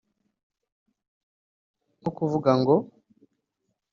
nko kuvuga ngo